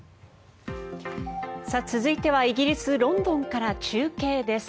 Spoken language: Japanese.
続いてはイギリス・ロンドンから中継です。